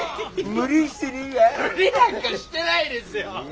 無理なんかしてないですよ！